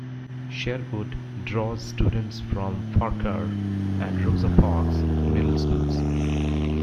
Sherwood draws students from Farquhar and Rosa Parks Middle Schools.